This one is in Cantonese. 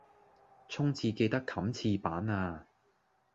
沖廁記得冚廁板呀